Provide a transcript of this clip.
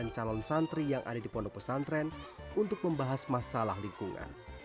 sembilan calon santri yang ada di pondok pesantren untuk membahas masalah lingkungan